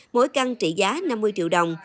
mỗi căn trị giá năm mươi triệu đồng